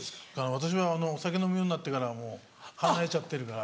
私はお酒飲むようになってから離れちゃってるから。